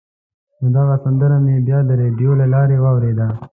نو دغه سندره مې بیا د راډیو له لارې واورېده.